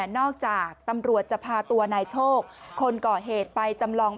นอกจากตำรวจจะพาตัวนายโชคคนก่อเหตุไปจำลอง